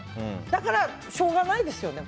だから、しょうがないですよね。